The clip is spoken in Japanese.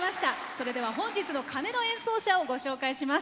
それでは本日の鐘の演奏者をご紹介します。